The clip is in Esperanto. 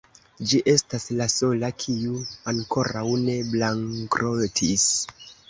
Ĝi estas la sola, kiu ankoraŭ ne bankrotis.